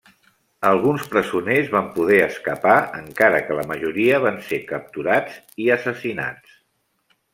Alguns presoners van poder escapar, encara que la majoria van ser capturats i assassinats.